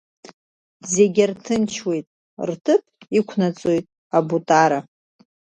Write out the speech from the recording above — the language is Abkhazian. Зегь арҭынчуеит, рҭыԥ иқәнаҵоит абутара.